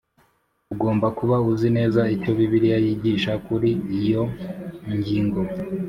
Ugomba kuba uzi neza icyo bibiliya yigisha kuri iyo ngingo